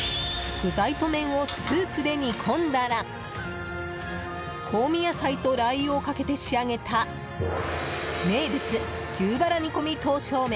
具材と麺をスープで煮込んだら香味野菜とラー油をかけて仕上げた名物、牛バラ煮込み刀削麺